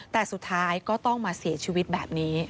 แต่สุดท้ายก็ต้องมาเสียชีวิตแบบนี้